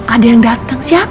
ada yang datang siapa